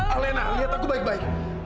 alena lihat aku baik baik